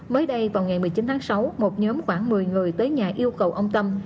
mới đây vào ngày một mươi chín tháng sáu một nhóm khoảng một mươi người tới nhà yêu cầu ông tâm